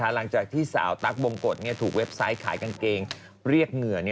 หลังจากที่สาวตั๊กบงกฎถูกเว็บไซต์ขายกางเกงเรียกเหงื่อ